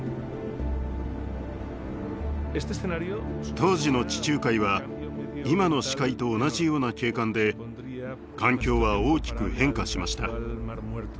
当時の地中海は今の死海と同じような景観で環境は大きく変化しました。